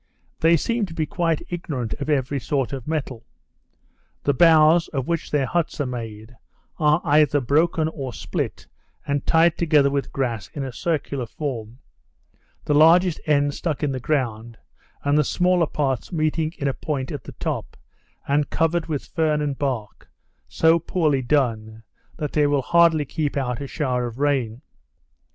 They seem to be quite ignorant of every sort of metal. The boughs, of which their huts are made, are either broken or split, and tied together with grass in a circular form, the largest end stuck in the ground, and the smaller parts meeting in a point at the top, and covered with fern and bark, so poorly done, that they will hardly keep out a shower of rain.